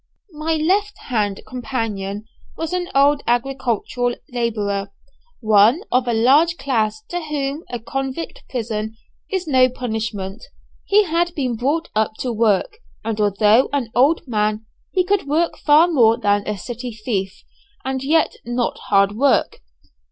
My left hand companion was an old agricultural labourer, one of a large class to whom a convict prison is no punishment. He had been brought up to work, and although an old man, he could work far more than a city thief, and yet not work hard.